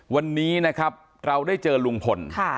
วันนี้นะครับเราได้เจอลุงพล